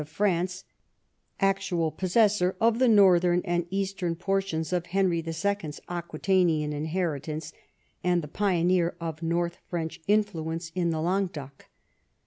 of France, actual possessor of the northern and eastern portions of Henry II. 's Aquitanian inheritance, and the pioneer of North French influence in the Languedoc.